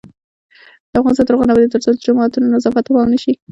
افغانستان تر هغو نه ابادیږي، ترڅو د جوماتونو نظافت ته پام ونشي.